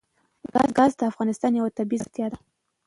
ګاز د افغانستان یوه طبیعي ځانګړتیا ده.